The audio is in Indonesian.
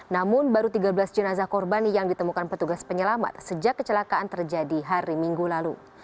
namun baru tiga belas jenazah korban yang ditemukan petugas penyelamat sejak kecelakaan terjadi hari minggu lalu